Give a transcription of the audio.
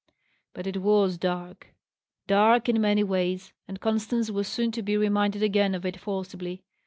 But it was dark; dark in many ways, and Constance was soon to be reminded again of it forcibly.